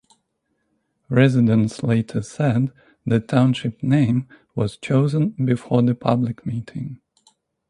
Residents later said the township name was chosen before the public meeting.